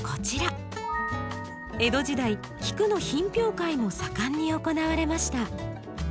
江戸時代菊の品評会も盛んに行われました。